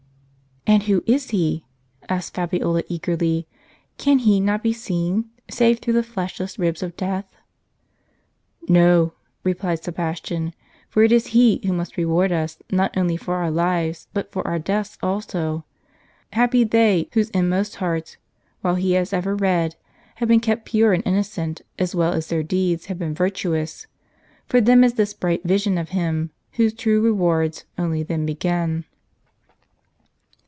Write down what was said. .'' And who is He ?" asked Fabiola, eagerly. " Can He not be seen, save through the fleshless ribs of death ?" "No," replied Sebastian; "for it is He who must reward us, not only for our lives, but for our deaths also. Happy they whose inmost hearts, which He has ever read, have been kept pure and innocent, as well as their deeds have been virtuous ! For them is this bright vision of Him, whose true rewards only then begin."